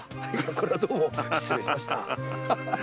これはどうも失礼しました。